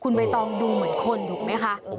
คุณใบตองดูเหมือนคนถูกไหมคะ